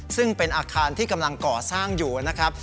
ซึ่งเป็นอาคารที่กำลังก่อสร้างอยู่นะครับ